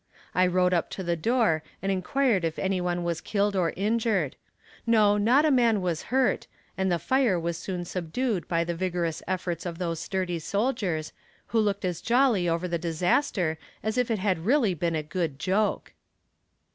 I rode up to the door and inquired if any one was killed or injured; no, not a man was hurt, and the fire was soon subdued by the vigorous efforts of those sturdy soldiers, who looked as jolly over the disaster as if it had really been a good joke.